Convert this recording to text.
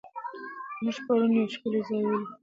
موږ پرون یو ښکلی ځای ولید.